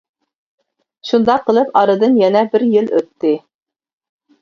شۇنداق قىلىپ ئارىدىن يەنە بىر يىل ئۆتتى.